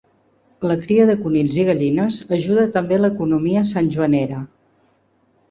La cria de conills i gallines ajuda també l'economia santjoanera.